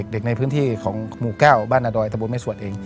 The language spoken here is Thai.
เด็กในพื้นที่ของหมู่๙บ้านนาดอยตะบนแม่สวดเอง